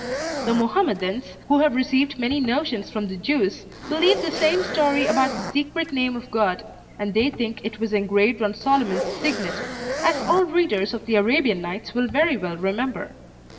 The Mohammedans, who have received many notions from the Jews, believe the same story about the secret name of God, and they think it was engraved on Solomon's signet, as all readers of the Arabian Nights will very well remember.